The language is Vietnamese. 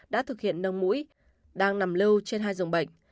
đã thực hiện nâng mũi đang nằm lưu trên hai dùng bệnh